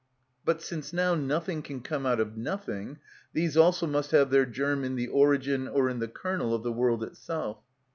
But since now nothing can come out of nothing, these also must have their germ in the origin or in the kernel of the world itself.